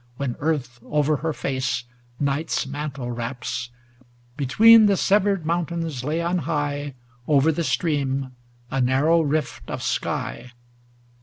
When earth over her face night's mantle wraps ; Between the severed mountains lay on high, Over the stream, a narrow rift of sky.